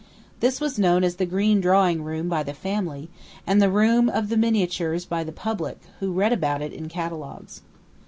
This was known as the "green drawing room" by the family, and the "Room of the Miniatures" by the public, who read about it in catalogues.